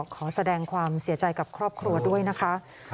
ขอแสดงความเสียใจกับครอบครัวด้วยนะคะ